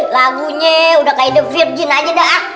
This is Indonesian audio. lagunya udah kayak the virgin aja dah